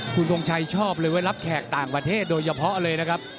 คุณทงชัยชอบเลยไว้รับแขกต่างประเทศโดยเฉพาะเลยนะครับ